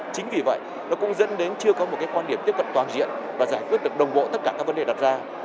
chính vì vậy nó cũng dẫn đến chưa có một quan điểm tiếp cận toàn diện và giải quyết được đồng bộ tất cả các vấn đề đặt ra